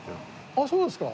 あっそうなんですか。